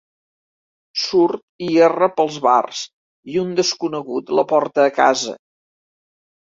Surt i erra pels bars, i un desconegut la porta a casa.